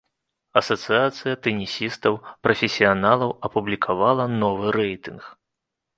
Асацыяцыя тэнісістаў прафесіяналаў апублікавала новы рэйтынг.